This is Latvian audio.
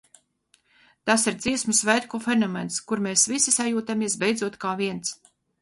Tas ir Dziesmu svētku fenomens, kur mēs visi sajūtamies beidzot kā viens.